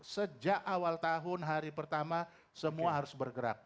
sejak awal tahun hari pertama semua harus bergerak